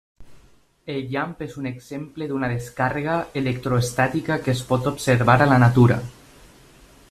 El llamp és un exemple d'una descàrrega electroestàtica que es pot observar a la natura.